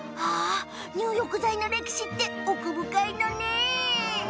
入浴剤の歴史、奥深いのね！